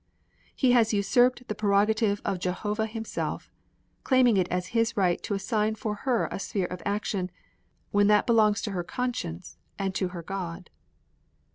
He has usurped the prerogative of Jehovah himself, claiming it as his right to assign for her a sphere of action, when that belongs to her conscience and to her God.